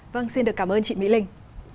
vâng xin được cảm ơn chị mỹ linh